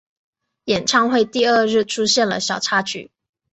演唱会第二日出现了小插曲。